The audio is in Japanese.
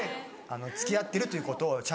付き合ってるということをちゃんと。